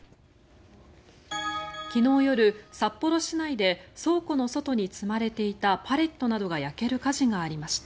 昨日夜、札幌市内で倉庫の外に積まれていたパレットなどが焼ける火事がありました。